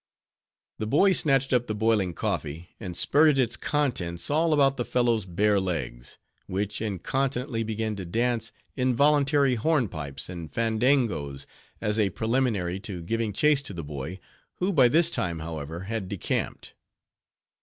The boy snatched up the boiling coffee, and spirted its contents all about the fellow's bare legs; which incontinently began to dance involuntary hornpipes and fandangoes, as a preliminary to giving chase to the boy, who by this time, however, had decamped.